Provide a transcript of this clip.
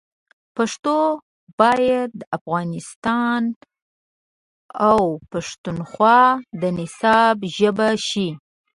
پښتو باید د افغانستان او پښتونخوا د نصاب ژبه شي.